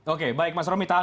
oke baik mas romi